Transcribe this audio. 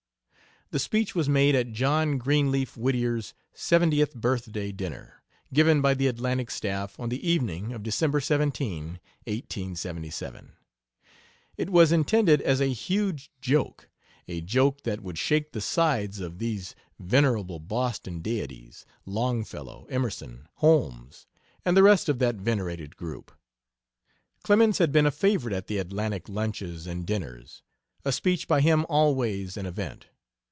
The speech was made at John Greenleaf Whittier's seventieth birthday dinner, given by the Atlantic staff on the evening of December 17, 1877. It was intended as a huge joke a joke that would shake the sides of these venerable Boston deities, Longfellow, Emerson, Holmes, and the rest of that venerated group. Clemens had been a favorite at the Atlantic lunches and dinners a speech by him always an event.